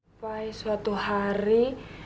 supaya suatu hari